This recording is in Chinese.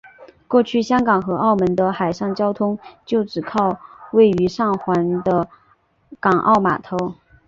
过去香港和澳门的海上交通就只靠位于上环的港澳码头。